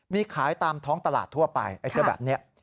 มีขายตามท้องตลาดทั่วไปไอ้เสื้อแบบนี้